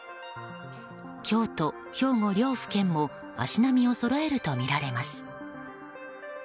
京都、兵庫両府県も足並みをそろえるとみられます。